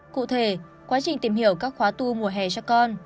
cụ thể quá trình tìm hiểu các khóa tu mùa hè cho con